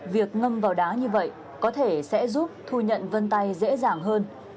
việc ngâm vào đá như vậy có thể sẽ giúp thu nhận vân tay dễ dàng hơn